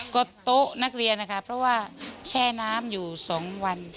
ก็โต๊ะนักเรียนนะคะเพราะว่าแช่น้ำอยู่๒วัน